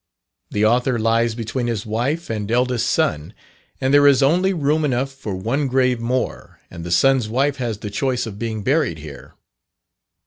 The author lies between his wife and eldest son, and there is only room enough for one grave more, and the son's wife has the choice of being buried here.